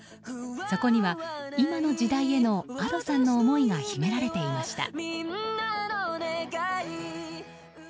そこには、今の時代へのＡｄｏさんの思いが秘められていました。